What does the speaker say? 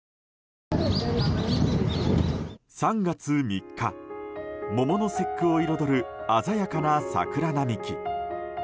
３月３日、桃の節句を彩る鮮やかな桜並木。